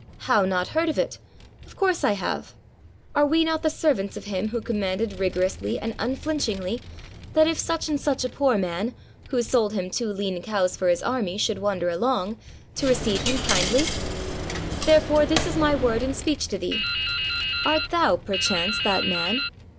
"" How not heard of it? Of course I have. Are we not the servants of him who commanded rigorously and un flinchingly that if such and such a poor man, who sold him two lean cows for his army, should wander along, to receive him kindly? Therefore, this is my word and speech to thee. Art thou, perchance, that man?"